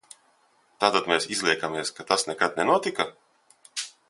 Tātad mēs izliekamies, ka tas nekad nenotika?